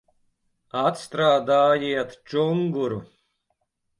Atstrādājiet čunguru!